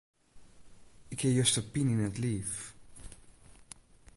Ik hie juster pine yn 't liif.